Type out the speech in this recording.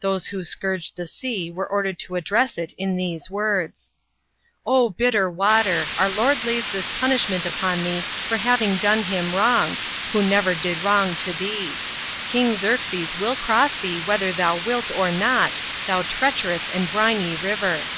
Those who scourged the sea were ordered to address it in these words :" bitter water, our lord lays this punishment upon thee for having done him wrong, who never did wrong to thee. King Xerxes will cross thee whether thou wilt or not, thou treacherous and briny river."